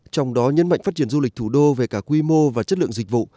trong đó nhấn mạnh phát triển du lịch thủ đô về cả quy mô và chất lượng dịch vụ